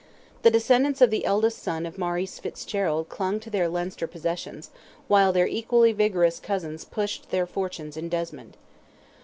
The descendants of the eldest son of Maurice Fitzgerald clung to their Leinster possessions, while their equally vigorous cousins pushed their fortunes in Desmond.